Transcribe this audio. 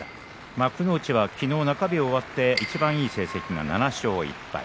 幕内は昨日の中日を終わっていちばんいい成績が７勝１敗。